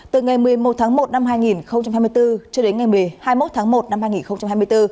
từ ngày một mươi một tháng một năm hai nghìn hai mươi bốn cho đến ngày hai mươi một tháng một năm hai nghìn hai mươi bốn